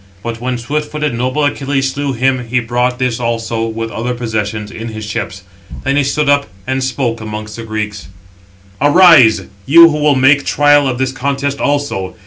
But when swift footed, noble Achilles slew him, he brought this also, with other possessions, in his ships. Then he stood up, and spoke amongst the Greeks: "Arise, you who will make trial of this contest also.